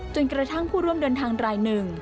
จนกระทั่งผู้ร่วมเดินทางราย๑